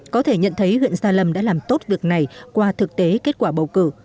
có thể nhận thấy huyện gia lâm đã làm tốt việc này qua thực tế kết quả bầu cử